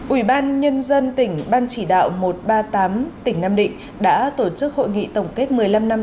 ủy ban nhân dân tỉnh ban chỉ đạo một trăm ba mươi tám tỉnh nam định đã tổ chức hội nghị tổng kết một mươi năm năm